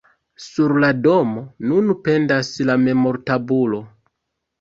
Sur la domo nun pendas la memortabulo.